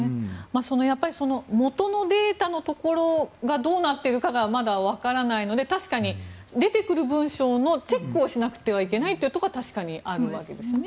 元のデータのところがどうなってるかがまだわからないので確かに、出てくる文章のチェックをしなくてはいけないところは確かにあるわけですね。